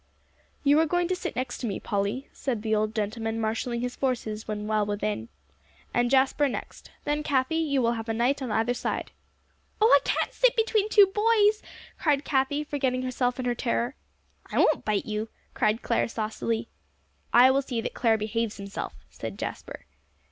"You are going to sit next to me, Polly," said the old gentleman, marshalling his forces when well within. "And Jasper next. Then, Cathie, you will have a knight on either side." "Oh, I can't sit between two boys," cried Cathie, forgetting herself in her terror. "I won't bite you," cried Clare saucily. "I will see that Clare behaves himself," said Jasper.